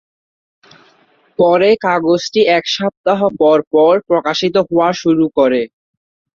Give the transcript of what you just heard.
পরে, কাগজটি এক সপ্তাহ পরপর প্রকাশিত হওয়া শুরু করে।